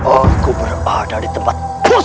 aku berada di tempat pusok ini